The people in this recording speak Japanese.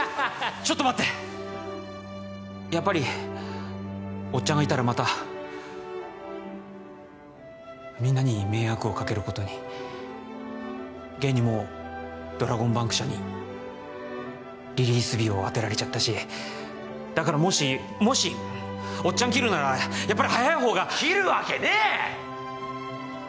ちょっと待ってやっぱりおっちゃんがいたらまたみんなに迷惑をかけることに現にもうドラゴンバンク社にリリース日を当てられちゃったしだからもしもしおっちゃん切るならやっぱり早い方が切るわけねえ！